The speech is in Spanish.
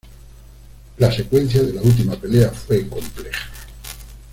La secuencia de la última pelea fue compleja.